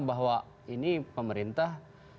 bahwa ini pemerintah